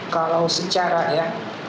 kalau secara ya